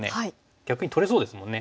逆に取れそうですもんね。